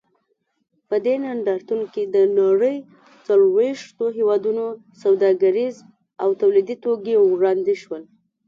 په دې نندارتون کې د نړۍ څلوېښتو هېوادونو سوداګریز او تولیدي توکي وړاندې شول.